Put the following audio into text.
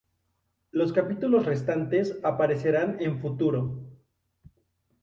Los capítulos restantes aparecerán en "Futuro".